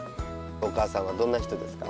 お母さんはどんな人ですか？